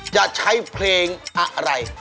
จะใช้เพลงอะไร